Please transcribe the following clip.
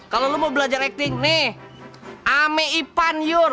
kalau lu mau belajar akting nih amey ipan yur